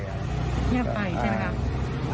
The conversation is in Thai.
เงียบไปใช่ไหมครับ